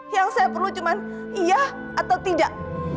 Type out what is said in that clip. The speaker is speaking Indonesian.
yang saya perlu cuman iya atau tidak